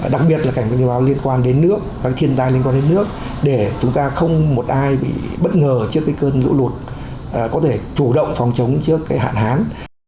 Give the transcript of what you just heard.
đặc biệt là cảnh báo liên quan đến nước các thiên tai liên quan đến nước để chúng ta không một ai bị bất ngờ trước cái cơn lũ lụt có thể chủ động phòng chống trước hạn hán